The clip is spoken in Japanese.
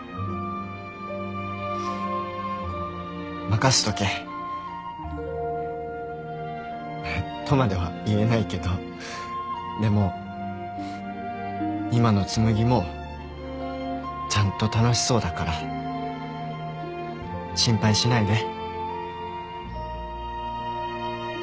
任せとけ。とまでは言えないけどでも今の紬もちゃんと楽しそうだから心配しないで。